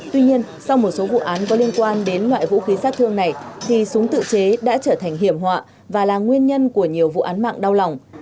tuy nhiên sau một số vụ án có liên quan đến loại vũ khí sát thương này thì súng tự chế đã trở thành hiểm họa và là nguyên nhân của nhiều vụ án mạng đau lòng